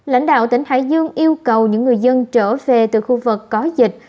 lãnh đạo tỉnh hải dương yêu cầu những người dân trở về từ khu vực có dịch